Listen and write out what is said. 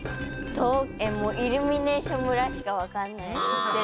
もうイルミネーション村しかわかんない。